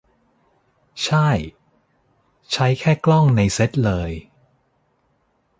ช่าย ใช้แค่กล้องในเซ็ตเลย